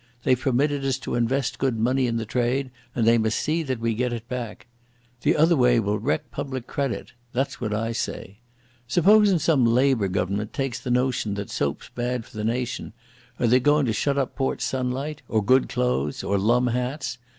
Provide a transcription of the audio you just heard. They've permitted us to invest good money in the trade, and they must see that we get it back. The other way will wreck public credit. That's what I say. Supposin' some Labour Government takes the notion that soap's bad for the nation? Are they goin' to shut up Port Sunlight? Or good clothes? Or lum hats?